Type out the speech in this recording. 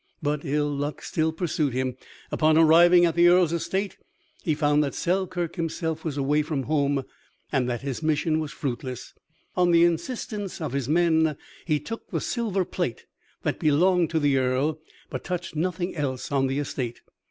But ill luck still pursued him. Upon arriving at the Earl's estate he found that Selkirk himself was away from home and that his mission was fruitless. On the insistence of his men he took the silver plate that belonged to the Earl, but touched nothing else on the estate.